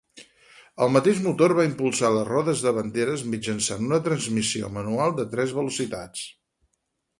El mateix motor va impulsar les rodes davanteres mitjançant una transmissió manual de tres velocitats.